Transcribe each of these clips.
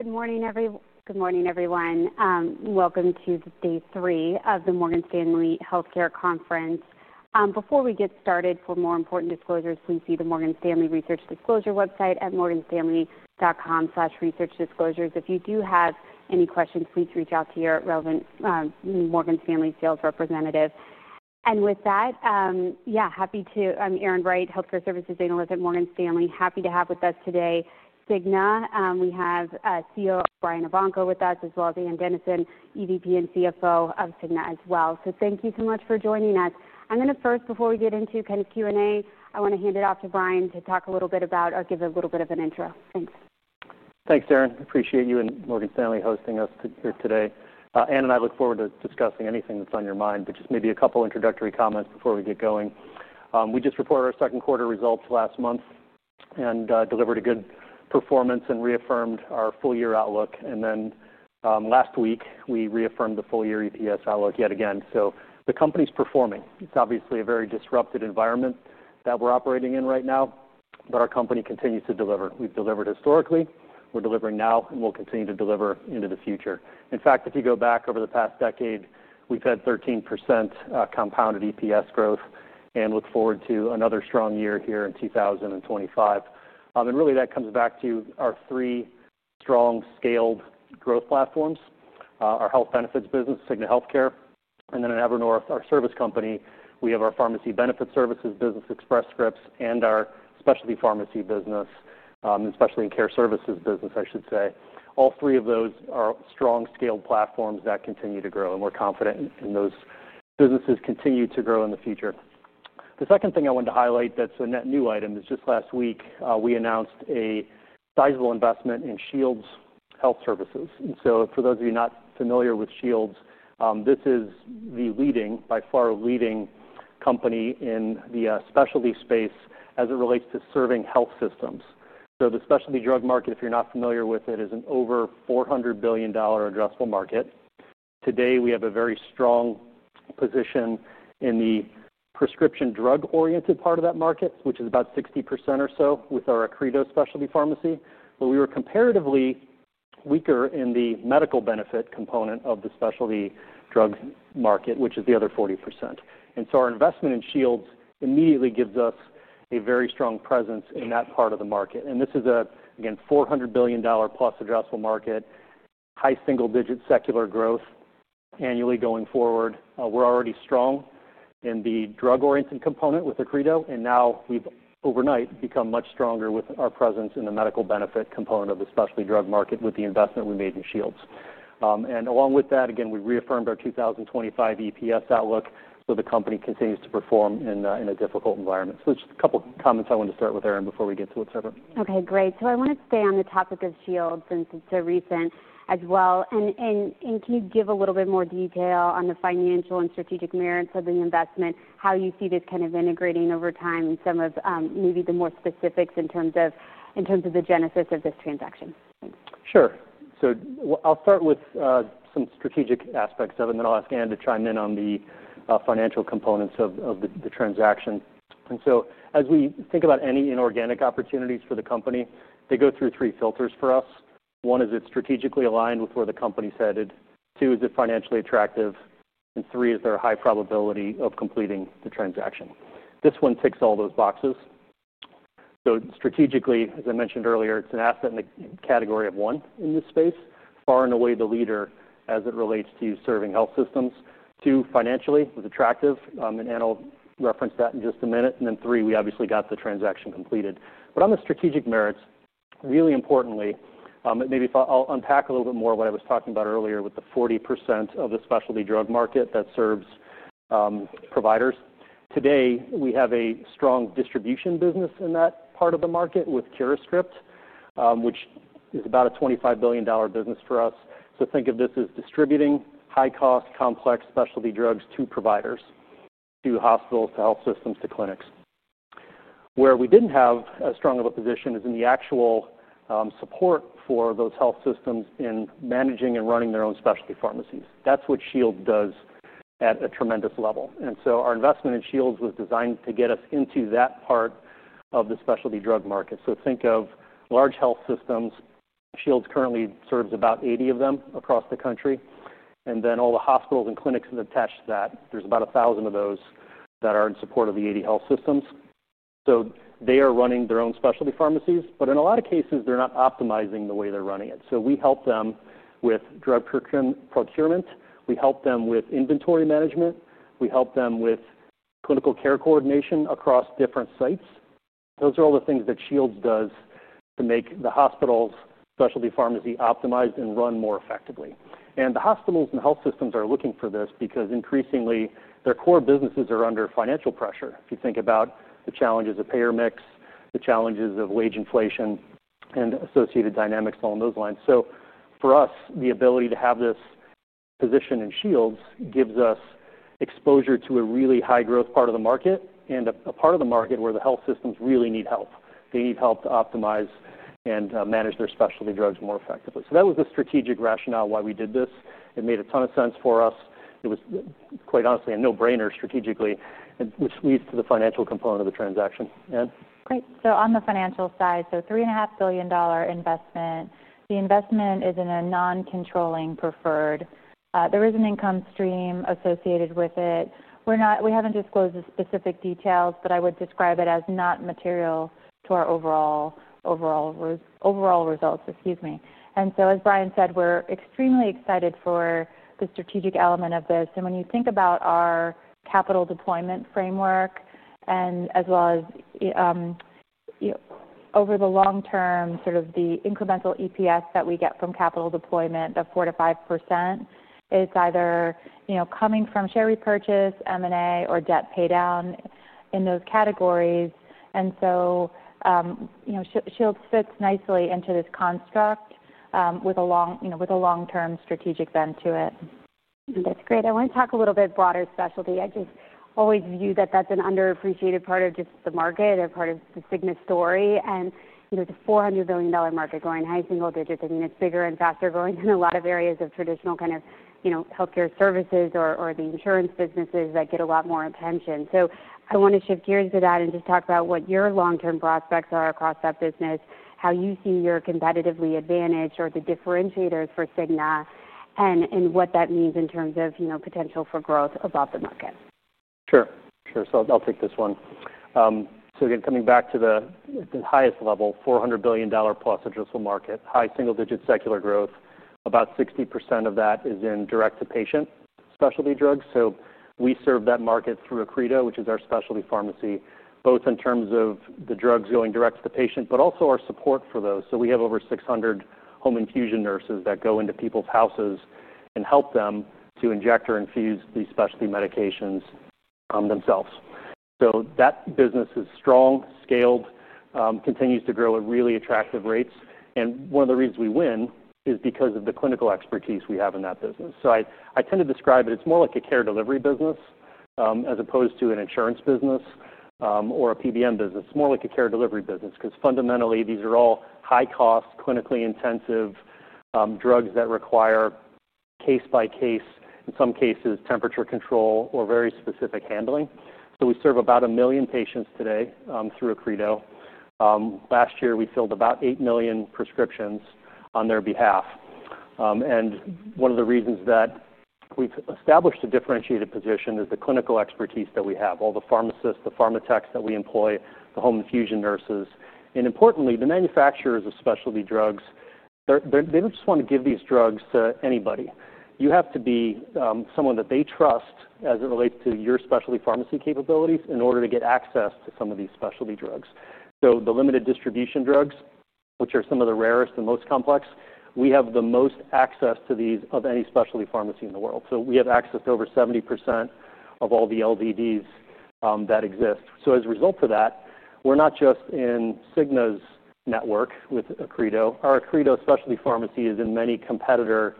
Good morning, everyone. Good morning, everyone. Welcome to day three of the Morgan Stanley Healthcare Conference. Before we get started, for more important disclosures, please see the Morgan Stanley Research Disclosure website at morganstanley.com/researchdisclosures. If you do have any questions, please reach out to your relevant Morgan Stanley sales representative. Happy to have with us today The Cigna Group. We have CEO Brian Evanko with us, as well as Ann Dennison, EVP and CFO of The Cigna Group as well. Thank you so much for joining us. Before we get into kind of Q&A, I want to hand it off to Brian to talk a little bit about or give a little bit of an intro. Thanks. Thanks, Erin. Appreciate you and Morgan Stanley hosting us here today. Ann and I look forward to discussing anything that's on your mind, but just maybe a couple introductory comments before we get going. We just reported our second quarter results last month and delivered a good performance and reaffirmed our full-year outlook. Last week, we reaffirmed the full-year EPS outlook yet again. The company's performing. It's obviously a very disruptive environment that we're operating in right now, but our company continues to deliver. We've delivered historically. We're delivering now, and we'll continue to deliver into the future. In fact, if you go back over the past decade, we've had 13% compounded EPS growth and look forward to another strong year here in 2025. That comes back to our three strong scaled growth platforms: our health benefits business, Cigna Healthcare, and then in Evernorth, our service company, we have our pharmacy benefits services business, Express Scripts, and our specialty pharmacy business and specialty care services business, I should say. All three of those are strong scaled platforms that continue to grow, and we're confident in those businesses continuing to grow in the future. The second thing I wanted to highlight that's a net new item is just last week, we announced a sizable investment in Shields Health Solutions. For those of you not familiar with Shields, this is the leading, by far leading, company in the specialty space as it relates to serving health systems. The specialty drug market, if you're not familiar with it, is an over $400 billion addressable market. Today, we have a very strong position in the prescription drug-oriented part of that market, which is about 60% or so with our Accredo specialty pharmacy. We were comparatively weaker in the medical benefit component of the specialty drugs market, which is the other 40%. Our investment in Shields immediately gives us a very strong presence in that part of the market. This is a $400 billion plus addressable market, high single-digit secular growth annually going forward. We're already strong in the drug-oriented component with Accredo, and now we've, overnight, become much stronger with our presence in the medical benefit component of the specialty drug market with the investment we made in Shields. Along with that, we reaffirmed our 2025 EPS outlook, but the company continues to perform in a difficult environment. Just a couple of comments I wanted to start with, Erin, before we get to what's ever. Great. I want to stay on the topic of Shields since it's so recent as well. Can you give a little bit more detail on the financial and strategic merits of the investment, how you see this kind of integrating over time, and maybe some more specifics in terms of the genesis of this transaction? Sure. I'll start with some strategic aspects of it, and then I'll ask Ann to chime in on the financial components of the transaction. As we think about any inorganic opportunities for the company, they go through three filters for us. One is it's strategically aligned with where the company's headed. Two is it financially attractive. Three is there a high probability of completing the transaction. This one ticks all those boxes. Strategically, as I mentioned earlier, it's an asset in the category of one in this space, far and away the leader as it relates to serving health systems. Financially, it was attractive, and Ann will reference that in just a minute. We obviously got the transaction completed. On the strategic merits, really importantly, maybe I'll unpack a little bit more of what I was talking about earlier with the 40% of the specialty drug market that serves providers. Today, we have a strong distribution business in that part of the market with CuraScript, which is about a $25 billion business for us. Think of this as distributing high-cost, complex specialty drugs to providers, to hospitals, to health systems, to clinics. Where we didn't have as strong of a position is in the actual support for those health systems in managing and running their own specialty pharmacies. That's what Shields does at a tremendous level. Our investment in Shields was designed to get us into that part of the specialty drug market. Think of large health systems. Shields currently serves about 80 of them across the country. All the hospitals and clinics that attach to that, there's about 1,000 of those that are in support of the 80 health systems. They are running their own specialty pharmacies, but in a lot of cases, they're not optimizing the way they're running it. We help them with drug procurement. We help them with inventory management. We help them with clinical care coordination across different sites. Those are all the things that Shields does to make the hospital's specialty pharmacy optimized and run more effectively. The hospitals and health systems are looking for this because increasingly, their core businesses are under financial pressure. If you think about the challenges of payer mix, the challenges of wage inflation, and associated dynamics along those lines. For us, the ability to have this position in Shields gives us exposure to a really high-growth part of the market and a part of the market where the health systems really need help. They need help to optimize and manage their specialty drugs more effectively. That was the strategic rationale why we did this. It made a ton of sense for us. It was, quite honestly, a no-brainer strategically, which leads to the financial component of the transaction. Ann? Great. On the financial side, $3.5 billion investment. The investment is in a non-controlling preferred. There is an income stream associated with it. We haven't disclosed the specific details, but I would describe it as not material to our overall results. Excuse me. As Brian said, we're extremely excited for the strategic element of this. When you think about our capital deployment framework as well as over the long term, sort of the incremental EPS that we get from capital deployment of 4% to 5%, it's either coming from share repurchase, M&A, or debt paydown in those categories. Shields fits nicely into this construct with a long-term strategic bend to it. That's great. I want to talk a little bit broader specialty. I just always view that that's an underappreciated part of just the market or part of the Cigna story and the $400 billion market going high single digits. I mean, it's bigger and faster going in a lot of areas of traditional kind of healthcare services or the insurance businesses that get a lot more attention. I want to shift gears to that and just talk about what your long-term prospects are across that business, how you see your competitively advantage or the differentiators for Cigna, and what that means in terms of potential for growth above the market. Sure. I'll take this one. Again, coming back to the highest level, $400 billion plus addressable market, high single-digit secular growth. About 60% of that is in direct-to-patient specialty drugs. We serve that market through Accredo, which is our specialty pharmacy, both in terms of the drugs going direct to the patient, but also our support for those. We have over 600 home infusion nurses that go into people's houses and help them to inject or infuse the specialty medications themselves. That business is strong, scaled, continues to grow at really attractive rates. One of the reasons we win is because of the clinical expertise we have in that business. I tend to describe it, it's more like a care delivery business as opposed to an insurance business or a PBM business. It's more like a care delivery business because fundamentally, these are all high-cost, clinically intensive drugs that require case-by-case, in some cases, temperature control or very specific handling. We serve about a million patients today through Accredo. Last year, we filled about 8 million prescriptions on their behalf. One of the reasons that we've established a differentiated position is the clinical expertise that we have, all the pharmacists, the pharmatechs that we employ, the home infusion nurses, and importantly, the manufacturers of specialty drugs. They don't just want to give these drugs to anybody. You have to be someone that they trust as it relates to your specialty pharmacy capabilities in order to get access to some of these specialty drugs. The limited distribution drugs, which are some of the rarest and most complex, we have the most access to these of any specialty pharmacy in the world. We have access to over 70% of all the LDDs that exist. As a result of that, we're not just in Cigna's network with Accredo. Our Accredo specialty pharmacy is in many competitor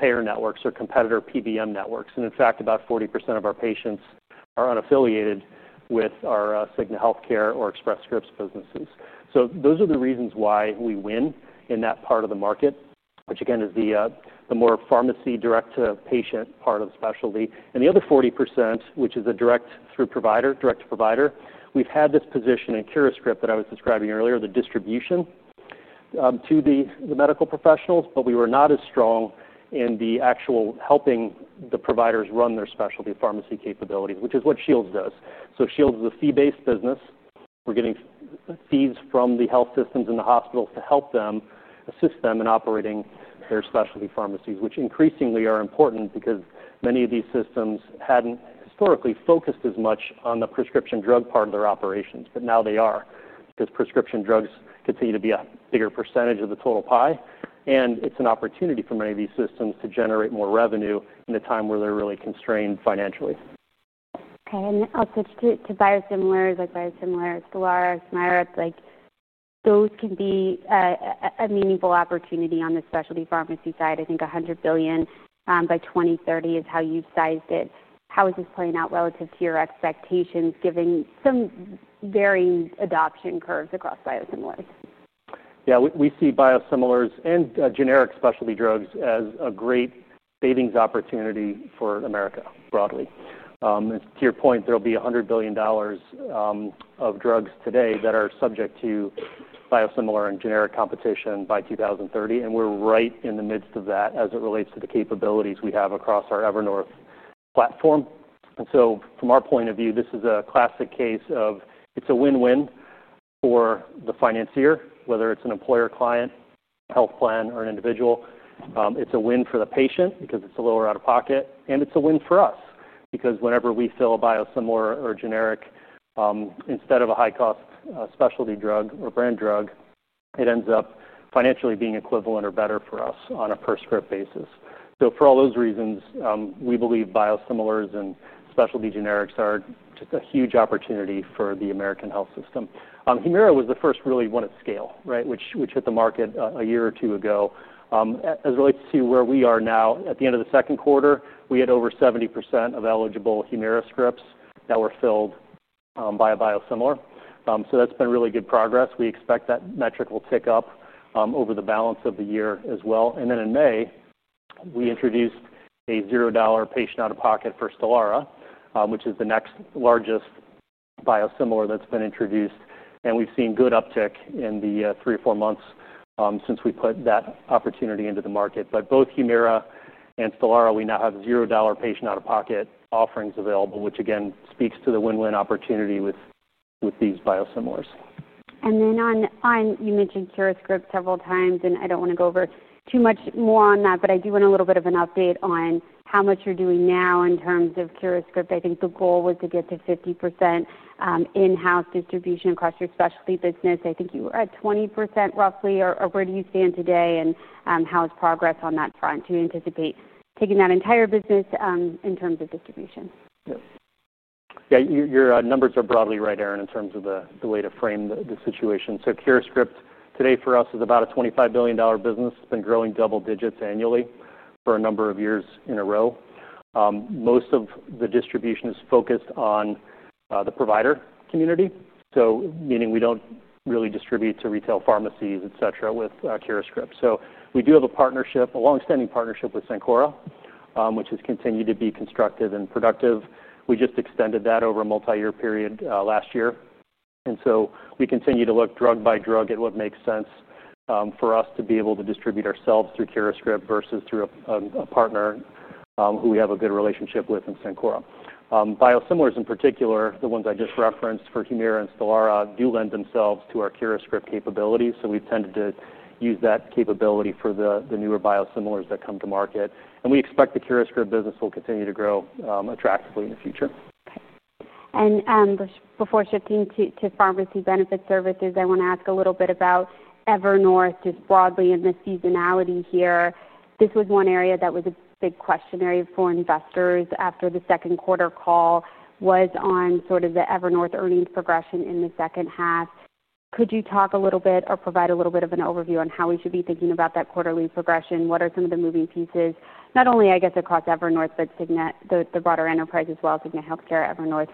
payer networks or competitor PBM networks. In fact, about 40% of our patients are unaffiliated with our Cigna Healthcare or Express Scripts businesses. Those are the reasons why we win in that part of the market, which again is the more pharmacy direct-to-patient part of specialty. The other 40%, which is a direct-to-provider, we've had this position in CuraScript that I was describing earlier, the distribution to the medical professionals, but we were not as strong in the actual helping the providers run their specialty pharmacy capabilities, which is what Shields does. Shields is a fee-based business. We're getting fees from the health systems and the hospitals to help them, assist them in operating their specialty pharmacies, which increasingly are important because many of these systems hadn't historically focused as much on the prescription drug part of their operations, but now they are because prescription drugs continue to be a bigger percentage of the total pie. It's an opportunity for many of these systems to generate more revenue in a time where they're really constrained financially. Okay. I'll switch to biosimilars like biosimilars, Stelara, Smyre. Those can be a meaningful opportunity on the specialty pharmacy side. I think $100 billion by 2030 is how you sized it. How is this playing out relative to your expectations, given some varying adoption curves across biosimilars? Yeah. We see biosimilars and generic specialty drugs as a great savings opportunity for America broadly. To your point, there will be $100 billion of drugs today that are subject to biosimilar and generic competition by 2030. We are right in the midst of that as it relates to the capabilities we have across our Evernorth platform. From our point of view, this is a classic case of it's a win-win for the financier, whether it's an employer-client, health plan, or an individual. It's a win for the patient because it's a lower out-of-pocket. It's a win for us because whenever we fill a biosimilar or generic, instead of a high-cost specialty drug or brand drug, it ends up financially being equivalent or better for us on a per script basis. For all those reasons, we believe biosimilars and specialty generics are just a huge opportunity for the American health system. Humira was the first really one of scale, right, which hit the market a year or two ago. As it relates to where we are now, at the end of the second quarter, we had over 70% of eligible Humira scripts that were filled by a biosimilar. That's been really good progress. We expect that metric will tick up over the balance of the year as well. In May, we introduced a $0 patient out-of-pocket for Stelara, which is the next largest biosimilar that's been introduced. We've seen good uptick in the three or four months since we put that opportunity into the market. Both Humira and Stelara now have $0 patient out-of-pocket offerings available, which again speaks to the win-win opportunity with these biosimilars. You mentioned CuraScript several times, and I don't want to go over too much more on that, but I do want a little bit of an update on how much you're doing now in terms of CuraScript. I think the goal was to get to 50% in-house distribution across your specialty business. I think you were at 20% roughly. Where do you stand today and how is progress on that front? Do you anticipate taking that entire business in terms of distribution? Yeah. Yeah. Your numbers are broadly right, Erin, in terms of the way to frame the situation. CuraScript today for us is about a $25 billion business. It's been growing double digits annually for a number of years in a row. Most of the distribution is focused on the provider community, meaning we don't really distribute to retail pharmacies, etc., with CuraScript. We do have a partnership, a longstanding partnership with Sencora, which has continued to be constructive and productive. We just extended that over a multi-year period last year. We continue to look drug by drug at what makes sense for us to be able to distribute ourselves through CuraScript versus through a partner who we have a good relationship with in Sencora. Biosimilars in particular, the ones I just referenced for Humira and Stelara, do lend themselves to our CuraScript capabilities. We've tended to use that capability for the newer biosimilars that come to market. We expect the CuraScript business will continue to grow attractively in the future. Okay. Before shifting to pharmacy benefit services, I want to ask a little bit about Evernorth just broadly and the seasonality here. This was one area that was a big question area for investors after the second quarter call, on sort of the Evernorth earnings progression in the second half. Could you talk a little bit or provide a little bit of an overview on how we should be thinking about that quarterly progression? What are some of the moving pieces, not only, I guess, across Evernorth, but The Cigna Group, the broader enterprise as well, Cigna Healthcare, Evernorth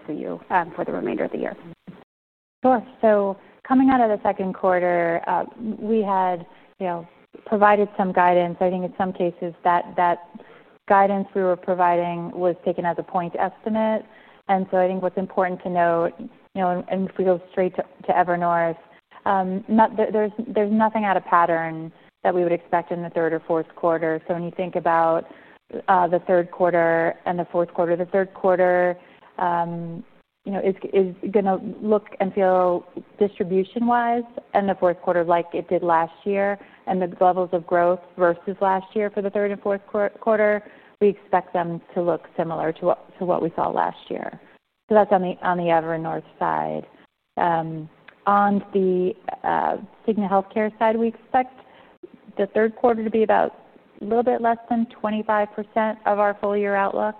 for the remainder of the year? Sure. Coming out of the second quarter, we had provided some guidance. I think in some cases, that guidance we were providing was taken as a point estimate. I think what's important to note, if we go straight to Evernorth, there's nothing out of pattern that we would expect in the third or fourth quarter. When you think about the third quarter and the fourth quarter, the third quarter is going to look and feel distribution-wise and the fourth quarter like it did last year. The levels of growth versus last year for the third and fourth quarter, we expect them to look similar to what we saw last year. That's on the Evernorth side. On the Cigna Healthcare side, we expect the third quarter to be about a little bit less than 25% of our full-year outlook.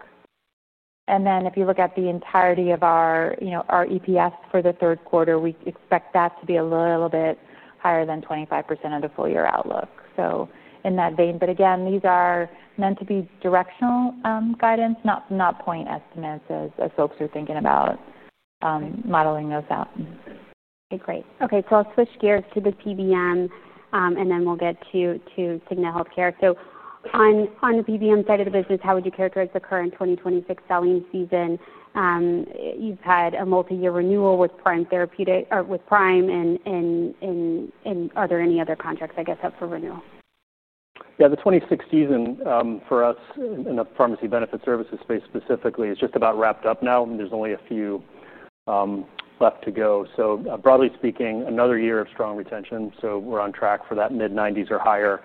If you look at the entirety of our EPS for the third quarter, we expect that to be a little bit higher than 25% of the full-year outlook. In that vein, these are meant to be directional guidance, not point estimates as folks are thinking about modeling those out. Okay. Great. I'll switch gears to the PBM, and then we'll get to Cigna Healthcare. On the PBM side of the business, how would you characterize the current 2026 selling season? You've had a multi-year renewal with Prime Therapeutics or with Prime. Are there any other contracts, I guess, up for renewal? Yeah. The 2026 season for us in the pharmacy benefit services space specifically is just about wrapped up now, and there's only a few left to go. Broadly speaking, another year of strong retention. We're on track for that mid-90% or higher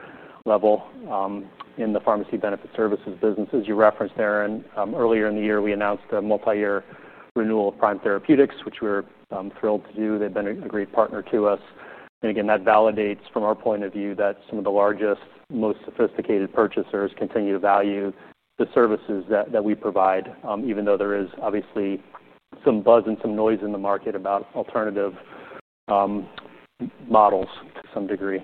level in the pharmacy benefit services business, as you referenced, Erin. Earlier in the year, we announced a multi-year renewal of Prime Therapeutics, which we're thrilled to do. They've been a great partner to us. That validates, from our point of view, that some of the largest, most sophisticated purchasers continue to value the services that we provide, even though there is obviously some buzz and some noise in the market about alternative models to some degree.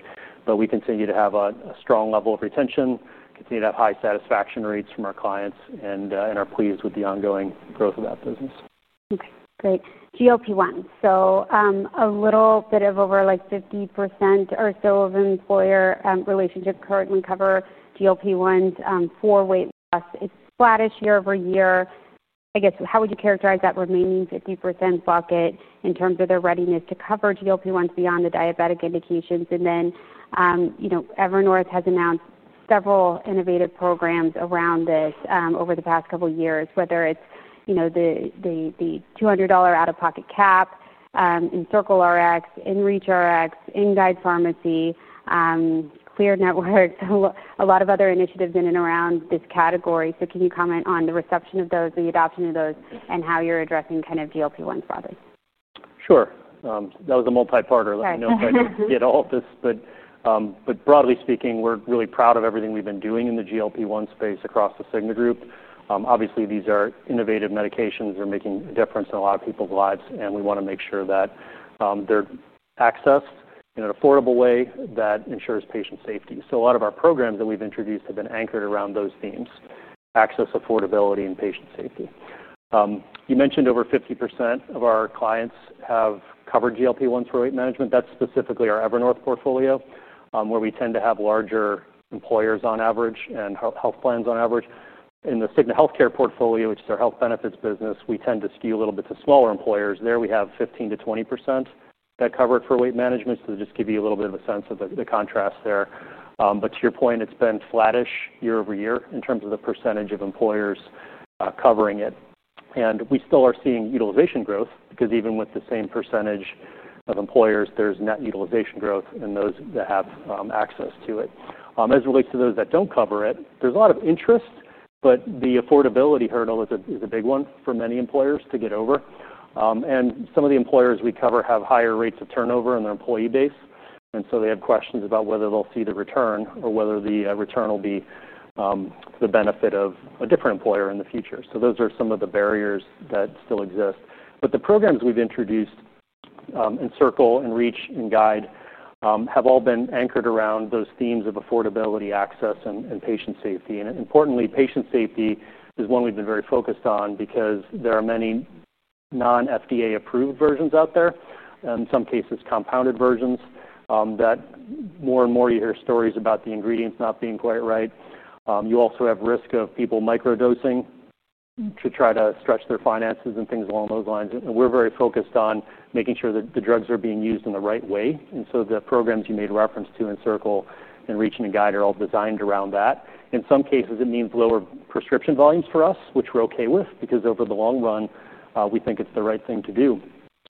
We continue to have a strong level of retention, continue to have high satisfaction rates from our clients, and are pleased with the ongoing growth of that business. Okay. Great. GLP-1. A little bit over 50% or so of employer relationships currently cover GLP-1 for weight loss. It's flatish year over year. How would you characterize that remaining 50% bucket in terms of their readiness to cover GLP-1s beyond the diabetic indications? Everett North has announced several innovative programs around this over the past couple of years, whether it's the $200 out-of-pocket cap, EncircleRx, EnReachRx, NGuide Pharmacy, Clear Network, a lot of other initiatives in and around this category. Can you comment on the reception of those, the adoption of those, and how you're addressing GLP-1 broadly? Sure. That was a multi-parter. Let me know if I get all of this. Broadly speaking, we're really proud of everything we've been doing in the GLP-1 space across The Cigna Group. Obviously, these are innovative medications that are making a difference in a lot of people's lives, and we want to make sure that they're accessed in an affordable way that ensures patient safety. A lot of our programs that we've introduced have been anchored around those themes: access, affordability, and patient safety. You mentioned over 50% of our clients have covered GLP-1s for weight management. That's specifically our Evernorth portfolio, where we tend to have larger employers on average and health plans on average. In the Cigna Healthcare portfolio, which is our health benefits business, we tend to skew a little bit to smaller employers. There, we have 15% to 20% that cover it for weight management, just to give you a little bit of a sense of the contrast there. To your point, it's been flat-ish year over year in terms of the percentage of employers covering it. We still are seeing utilization growth because even with the same percentage of employers, there's net utilization growth in those that have access to it. As it relates to those that don't cover it, there's a lot of interest, but the affordability hurdle is a big one for many employers to get over. Some of the employers we cover have higher rates of turnover in their employee base, and they have questions about whether they'll see the return or whether the return will be the benefit of a different employer in the future. Those are some of the barriers that still exist. The programs we've introduced, EncircleRx, EnReachRx, NGuide Pharmacy, have all been anchored around those themes of affordability, access, and patient safety. Importantly, patient safety is one we've been very focused on because there are many non-FDA-approved versions out there, in some cases compounded versions, that more and more you hear stories about the ingredients not being quite right. You also have risk of people microdosing to try to stretch their finances and things along those lines. We're very focused on making sure that the drugs are being used in the right way. The programs you made reference to, EncircleRx, EnReachRx, NGuide Pharmacy, are all designed around that. In some cases, it means lower prescription volumes for us, which we're okay with because over the long run, we think it's the right thing to do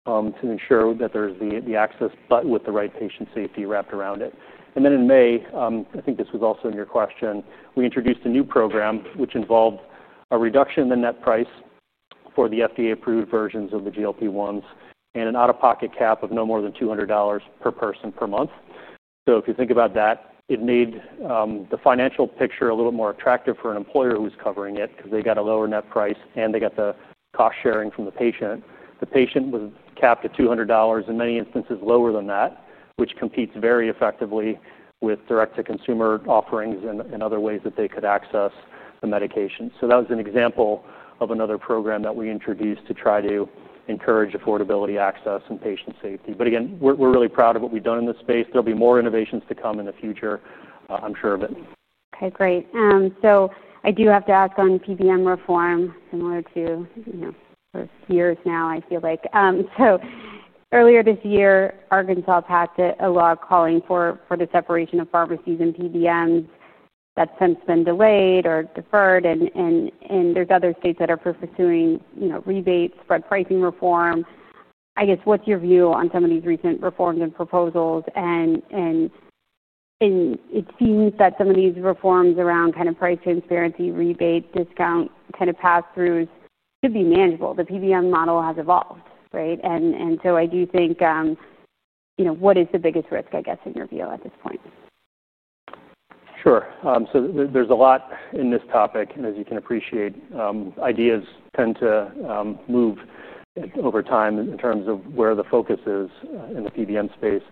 to ensure that there's the access but with the right patient safety wrapped around it. In May, I think this was also in your question, we introduced a new program which involved a reduction in the net price for the FDA-approved versions of the GLP-1s and an out-of-pocket cap of no more than $200 per person per month. If you think about that, it made the financial picture a little bit more attractive for an employer who's covering it because they got a lower net price and they got the cost sharing from the patient. The patient was capped at $200, in many instances, lower than that, which competes very effectively with direct-to-consumer offerings and other ways that they could access the medication. That was an example of another program that we introduced to try to encourage affordability, access, and patient safety. We're really proud of what we've done in this space. There'll be more innovations to come in the future, I'm sure of it. Okay. Great. I do have to ask on PBM reform, similar to, you know, for years now, I feel like. Earlier this year, Arkansas passed a law calling for the separation of pharmacies and PBMs. That's since been delayed or deferred. There are other states that are pursuing rebates, spread pricing reform. I guess, what's your view on some of these recent reforms and proposals? It seems that some of these reforms around kind of price transparency, rebate, discount, kind of pass-throughs could be manageable. The PBM model has evolved, right? I do think, you know, what is the biggest risk, I guess, in your view at this point? Sure. There's a lot in this topic. As you can appreciate, ideas tend to move over time in terms of where the focus is in the PBM space.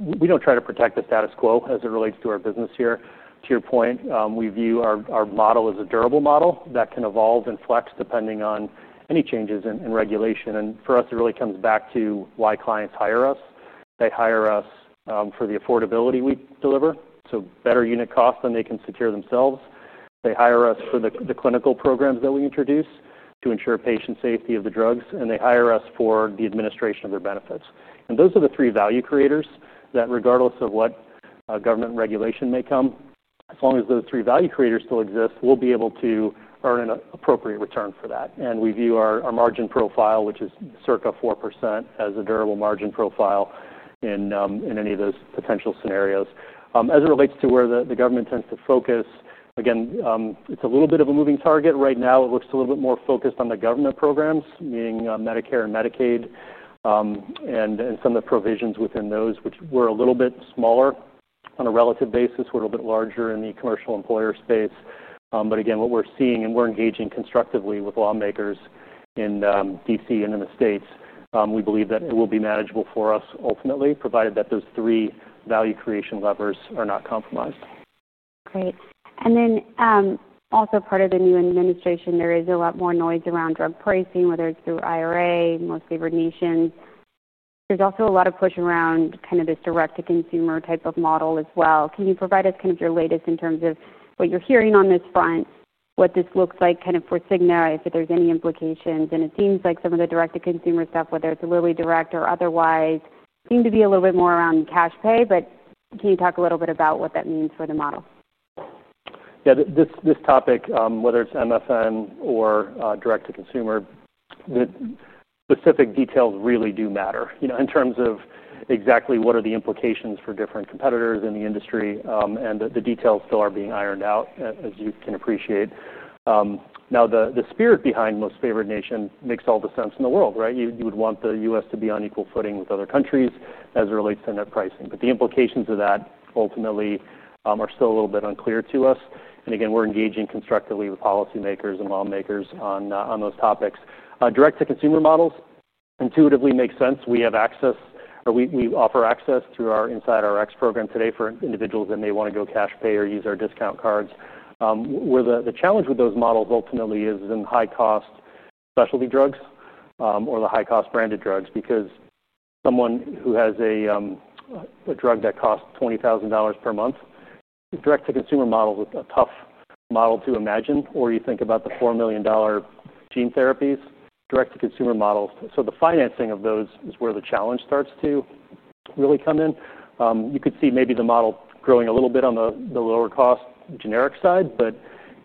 We don't try to protect the status quo as it relates to our business here. To your point, we view our model as a durable model that can evolve and flex depending on any changes in regulation. For us, it really comes back to why clients hire us. They hire us for the affordability we deliver, so better unit costs than they can secure themselves. They hire us for the clinical programs that we introduce to ensure patient safety of the drugs. They hire us for the administration of their benefits. Those are the three value creators that, regardless of what government regulation may come, as long as those three value creators still exist, we'll be able to earn an appropriate return for that. We view our margin profile, which is circa 4%, as a durable margin profile in any of those potential scenarios. As it relates to where the government tends to focus, it's a little bit of a moving target. Right now, it looks a little bit more focused on the government programs, meaning Medicare and Medicaid and some of the provisions within those, which were a little bit smaller on a relative basis. We're a little bit larger in the commercial employer space. What we're seeing, and we're engaging constructively with lawmakers in D.C. and in the states, we believe that it will be manageable for us ultimately, provided that those three value creation levers are not compromised. Great. Also, part of the new administration, there is a lot more noise around drug pricing, whether it's through IRA, mostly for nations. There is also a lot of push around this direct-to-consumer type of model as well. Can you provide us your latest in terms of what you're hearing on this front, what this looks like for The Cigna Group, if there's any implications? It seems like some of the direct-to-consumer stuff, whether it's really direct or otherwise, seems to be a little bit more around cash pay. Can you talk a little bit about what that means for the model? Yeah. This topic, whether it's MFN or direct-to-consumer, specific details really do matter in terms of exactly what are the implications for different competitors in the industry. The details still are being ironed out, as you can appreciate. Now, the spirit behind Most Favored Nation makes all the sense in the world, right? You would want the U.S. to be on equal footing with other countries as it relates to net pricing. The implications of that ultimately are still a little bit unclear to us. Again, we're engaging constructively with policymakers and lawmakers on those topics. Direct-to-consumer models intuitively make sense. We have access, or we offer access to our InsideRx program today for individuals that may want to go cash pay or use our discount cards. Where the challenge with those models ultimately is in high-cost specialty drugs or the high-cost branded drugs because someone who has a drug that costs $20,000 per month, a direct-to-consumer model is a tough model to imagine. You think about the $4 million gene therapies, direct-to-consumer models. The financing of those is where the challenge starts to really come in. You could see maybe the model growing a little bit on the lower cost generic side.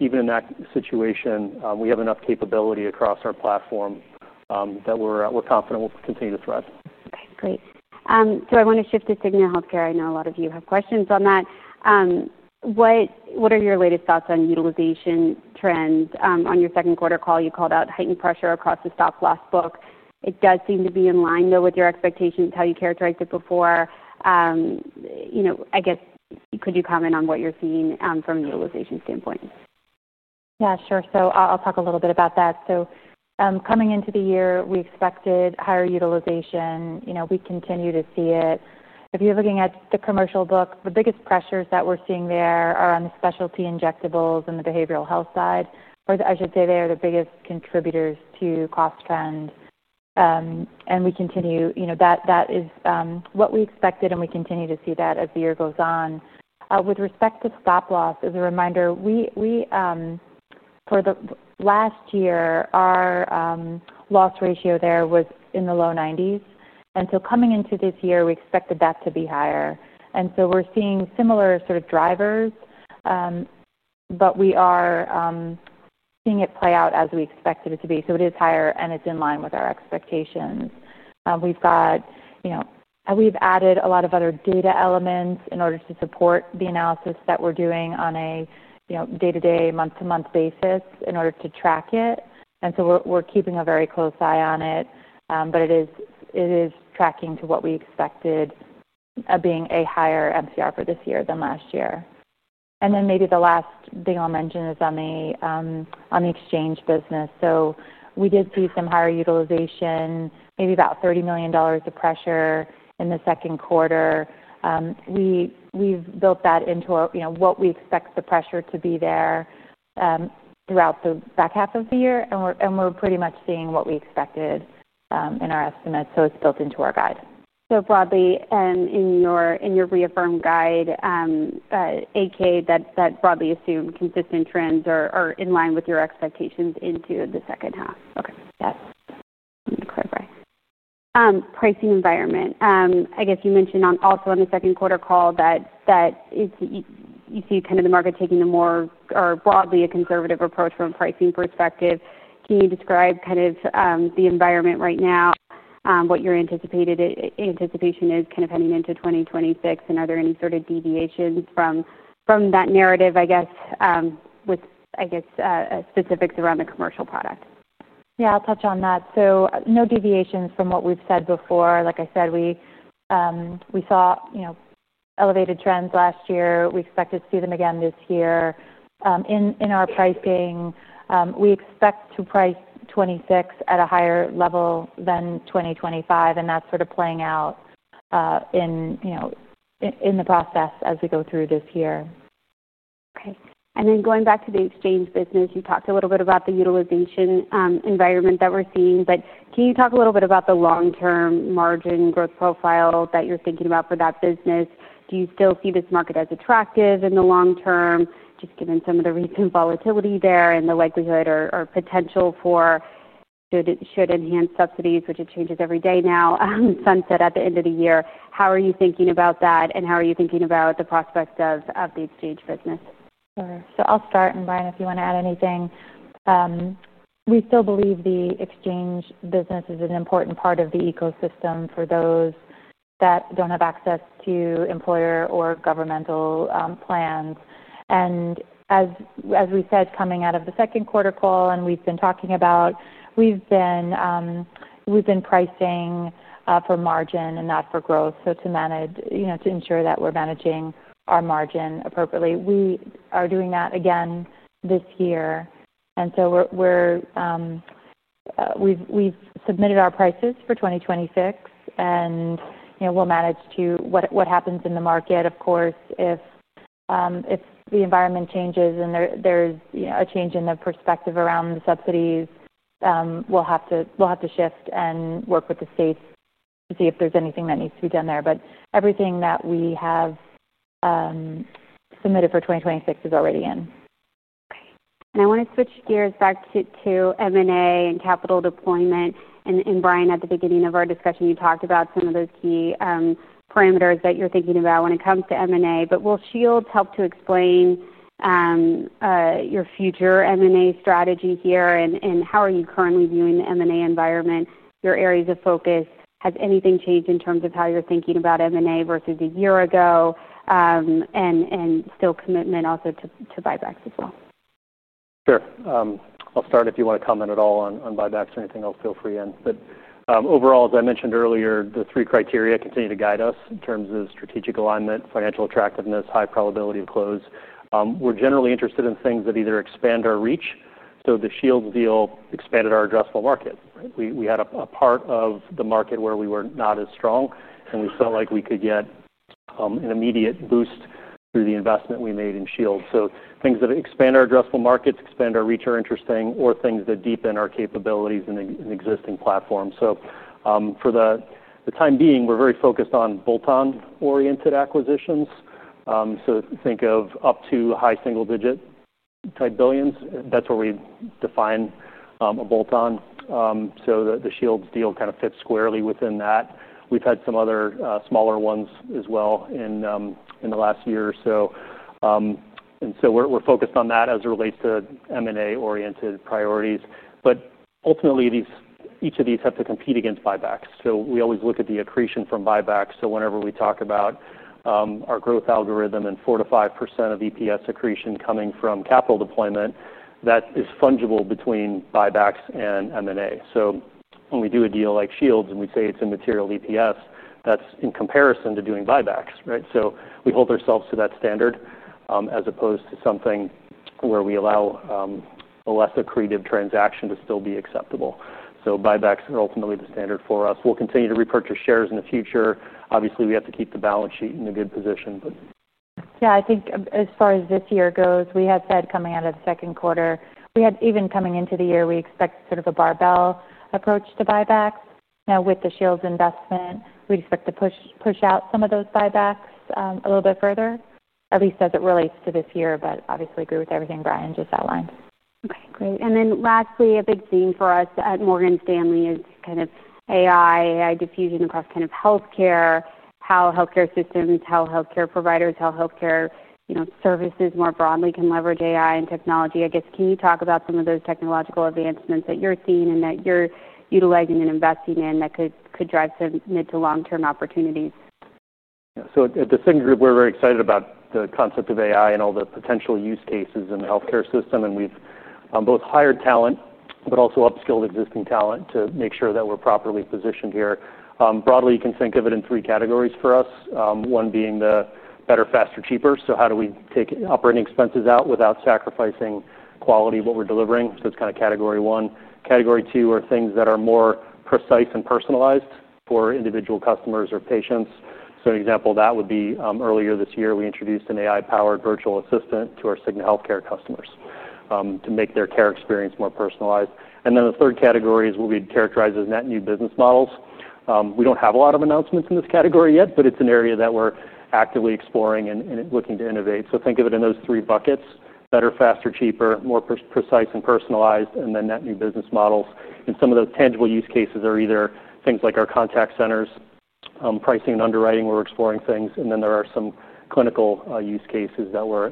Even in that situation, we have enough capability across our platform that we're confident we'll continue to thrive. Great. I want to shift to Cigna Healthcare. I know a lot of you have questions on that. What are your latest thoughts on the utilization trend? On your second quarter call, you called out heightened pressure across the stop-loss book. It does seem to be in line with your expectations, how you characterized it before. Could you comment on what you're seeing from a utilization standpoint? Yeah. Sure. I'll talk a little bit about that. Coming into the year, we expected higher utilization. We continue to see it. If you're looking at the commercial book, the biggest pressures that we're seeing there are on the specialty injectables and the behavioral health side. I should say they are the biggest contributors to cost spend. That is what we expected, and we continue to see that as the year goes on. With respect to stop-loss, as a reminder, for the last year, our loss ratio there was in the low 90%. Coming into this year, we expected that to be higher. We're seeing similar sort of drivers, but we are seeing it play out as we expected it to be. It is higher, and it's in line with our expectations. We've added a lot of other data elements in order to support the analysis that we're doing on a day-to-day, month-to-month basis in order to track it. We're keeping a very close eye on it. It is tracking to what we expected of being a higher MCR for this year than last year. Maybe the last thing I'll mention is on the exchange business. We did see some higher utilization, maybe about $30 million of pressure in the second quarter. We've built that into what we expect the pressure to be there throughout the back half of the year. We're pretty much seeing what we expected in our estimates. It's built into our guide. Broadly, and in your reaffirmed guide, AK, that broadly assumed consistent trends are in line with your expectations into the second half. Okay. Yes. Can you clarify the pricing environment? You mentioned also on the second quarter call that you see the market taking a more broadly conservative approach from a pricing perspective. Can you describe the environment right now, what your anticipation is heading into 2026, and are there any deviations from that narrative with specifics around the commercial product? I'll touch on that. No deviations from what we've said before. Like I said, we saw elevated trends last year. We expected to see them again this year. In our pricing, we expect to price 2026 at a higher level than 2025. That's sort of playing out in the process as we go through this year. Okay. Going back to the exchange business, you talked a little bit about the utilization environment that we're seeing. Can you talk a little bit about the long-term margin growth profile that you're thinking about for that business? Do you still see this market as attractive in the long term, just given some of the recent volatility there and the likelihood or potential for should enhanced subsidies, which it changes every day now, sunset at the end of the year? How are you thinking about that, and how are you thinking about the prospects of the exchange business? Sure. I'll start. Brian, if you want to add anything, we still believe the individual exchange market is an important part of the ecosystem for those that don't have access to employer or governmental plans. As we said coming out of the second quarter call, and we've been talking about, we've been pricing for margin and not for growth. To ensure that we're managing our margin appropriately, we are doing that again this year. We've submitted our prices for 2026, and we'll manage to what happens in the market. Of course, if the environment changes and there's a change in the perspective around the subsidies, we'll have to shift and work with the states to see if there's anything that needs to be done there. Everything that we have submitted for 2026 is already in. Okay. I want to switch gears back to M&A and capital deployment. Brian, at the beginning of our discussion, you talked about some of those key parameters that you're thinking about when it comes to M&A. Will Shields help to explain your future M&A strategy here? How are you currently viewing the M&A environment and your areas of focus? Has anything changed in terms of how you're thinking about M&A versus a year ago, and still commitment also to buybacks as well? Sure. I'll start. If you want to comment at all on buybacks or anything else, feel free. Overall, as I mentioned earlier, the three criteria continue to guide us in terms of strategic alignment, financial attractiveness, high probability of close. We're generally interested in things that either expand our reach. The Shields Health Solutions deal expanded our addressable market. We had a part of the market where we were not as strong, and we felt like we could get an immediate boost through the investment we made in Shields Health Solutions. Things that expand our addressable markets, expand our reach are interesting, or things that deepen our capabilities in the existing platform. For the time being, we're very focused on bolt-on-oriented acquisitions. Think of up to high single-digit type billions. That's what we define as a bolt-on. The Shields Health Solutions deal kind of fits squarely within that. We've had some other smaller ones as well in the last year or so. We're focused on that as it relates to M&A-oriented priorities. Ultimately, each of these have to compete against buybacks. We always look at the accretion from buybacks. Whenever we talk about our growth algorithm and 4% to 5% of EPS accretion coming from capital deployment, that is fungible between buybacks and M&A. When we do a deal like Shields Health Solutions and we say it's a material EPS, that's in comparison to doing buybacks, right? We hold ourselves to that standard as opposed to something where we allow a less accretive transaction to still be acceptable. Buybacks are ultimately the standard for us. We'll continue to repurchase shares in the future. Obviously, we have to keep the balance sheet in a good position. Yeah. I think as far as this year goes, we had said coming out of the second quarter, even coming into the year, we expect sort of a barbell approach to buyback. Now, with the Shields Health Solutions investment, we expect to push out some of those buybacks a little bit further, at least as it relates to this year, but obviously agree with everything Brian just outlined. Great. Lastly, a big theme for us at Morgan Stanley is kind of AI, AI diffusion across healthcare, how healthcare systems, how healthcare providers, how healthcare services more broadly can leverage AI and technology. Can you talk about some of those technological advancements that you're seeing and that you're utilizing and investing in that could drive some mid-to-long-term opportunities? Yeah. At The Cigna Group, we're very excited about the concept of AI and all the potential use cases in the healthcare system. We've both hired talent and upskilled existing talent to make sure that we're properly positioned here. Broadly, you can think of it in three categories for us: one being the better, faster, cheaper. How do we take operating expenses out without sacrificing quality of what we're delivering? That's kind of category one. Category two is things that are more precise and personalized for individual customers or patients. An example of that would be earlier this year, we introduced an AI-powered virtual assistant to our Cigna Healthcare customers to make their care experience more personalized. The third category is what we characterize as net new business models. We don't have a lot of announcements in this category yet, but it's an area that we're actively exploring and looking to innovate. Think of it in those three buckets: better, faster, cheaper, more precise and personalized, and then net new business models. Some of those tangible use cases are things like our contact centers, pricing and underwriting where we're exploring things. There are some clinical use cases that we're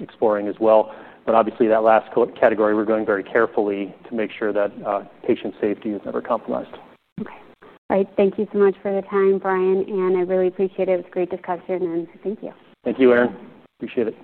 exploring as well. Obviously, that last category, we're going very carefully to make sure that patient safety is never compromised. Okay. All right. Thank you so much for the time, Brian. I really appreciate it. It was great to discuss your notes. Thank you. Thank you, Erin. Appreciate it.